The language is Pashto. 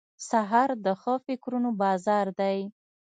سهار د ښه فکرونو بازار دی.